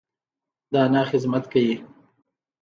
د انا خدمت کيي.